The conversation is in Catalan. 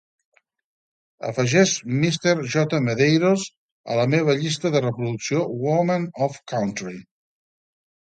Afegeix mr j medeiros a la meva llista de reproducció Women of Country.